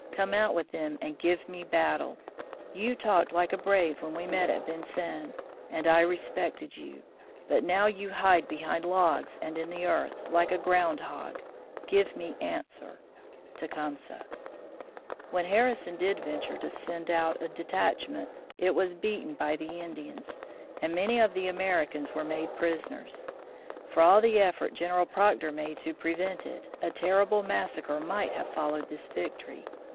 Come out with them and give me battle. You talked like a brave when we met at Vincennes, and I respected you; but now you hide behind logs and in the earth, like a ground hog. Give me answer. TECUMSEH." When Harrison did venture to send out a detachment it was beaten by the Indians, and many of the Americans were made prisoners. For all the effort General Proctor made to prevent it, a terrible massacre might have followed this victory.